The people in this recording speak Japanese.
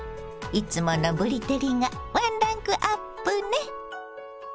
いつものぶり照りがワンランクアップね。